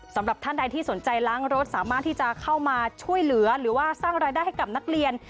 สำหรับท่านใดที่สนใจล้างรถสามารถที่จะเข้ามาช่วยเหลือหรือว่าสร้างรายได้ให้กับนักเรียน